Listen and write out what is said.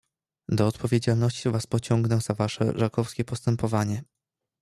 "Do odpowiedzialności was pociągnę za wasze żakowskie postępowanie."